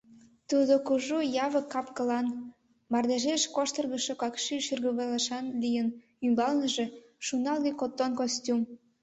Тудо кужу, явык кап-кылан, мардежеш коштыргышо какши шӱргывылышан лийын, ӱмбалныже – шуналге коттон костюм.